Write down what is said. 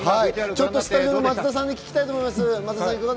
スタジオの松田さんに聞きたいと思います。